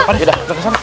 eh pak de udah ke sana